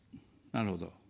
なるほど。